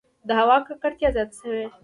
• د هوا ککړتیا زیاته شوه.